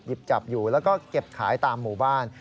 จับอยู่แล้วก็เก็บขายตามหมู่บ้าน